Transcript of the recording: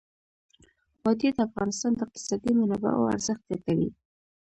وادي د افغانستان د اقتصادي منابعو ارزښت زیاتوي.